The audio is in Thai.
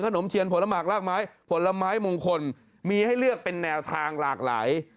มเชียนผลมากลากไม้ผลไม้มงคลมีให้เลือกเป็นแนวทางหลากหลาย